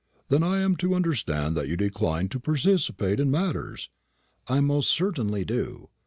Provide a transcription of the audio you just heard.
Then I am to understand that you decline to precipitate matters?" "I most certainly do."